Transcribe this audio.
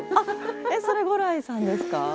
それ牛来さんですか？